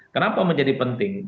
kenapa menjadi penting